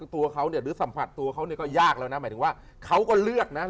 ตัวเขาเนี่ยหรือสัมผัสตัวเขาเนี่ยก็ยากแล้วนะหมายถึงว่าเขาก็เลือกนะ